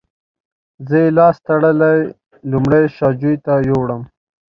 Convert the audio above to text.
زه یې لاس تړلی لومړی شا جوی ته یووړم.